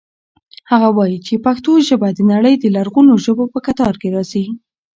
هغه وایي چې پښتو ژبه د نړۍ د لرغونو ژبو په کتار کې راځي.